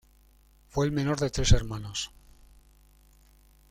Fue el menor de tres hermanos.